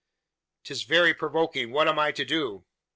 "'Tis very provoking! What am I to do?"